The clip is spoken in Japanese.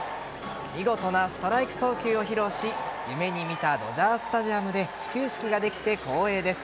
見事なストライク投球を披露し夢に見たドジャースタジアムで始球式ができて光栄です。